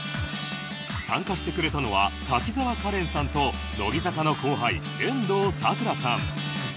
参加してくれたのは滝沢カレンさんと乃木坂の後輩遠藤さくらさん